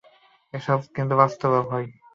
এসব কিন্তু বাস্তবেও হয়।